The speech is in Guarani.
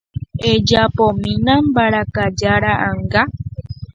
Ejapomína mbarakaja ra'ãnga.